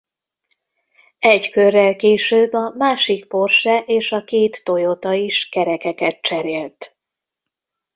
Egy körrel később a másik Porsche és a két Toyota is kerekeket cserélt.